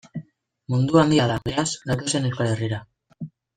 Mundua handia da, beraz, gatozen Euskal Herrira.